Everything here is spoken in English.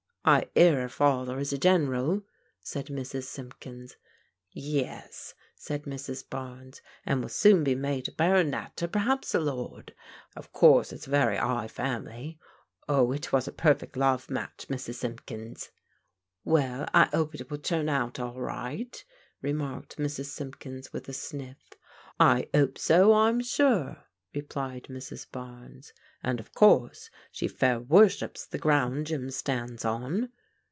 " I 'ear 'er father is a General," said Mrs. Simpkins. " Yes," said Mrs. Barnes, " and will soon be made a barrinet or perhaps a lord. Of course it's a very 'igh family. Oh, it was a perfect love match, Mrs. Simp kins." " Well, I 'ope it will turn out all right," remarked Mrs. Simpkins with a sniff. " I 'ope so, I'm sure," replied Mrs. Barnes, " and of course she fair worships the ground Jim stands on."